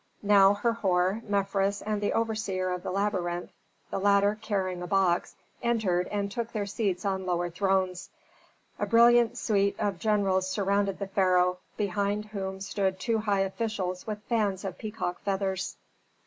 Now Herhor, Mefres, and the overseer of the labyrinth, the latter carrying a box, entered and took their seats on lower thrones. A brilliant suite of generals surrounded the pharaoh, behind whom stood two high officials with fans of peacock feathers.